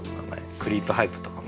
クリープハイプとかも。